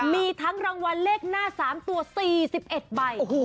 มีทั้งรางวัลเลขหน้า๓ตัว๔๑ใบ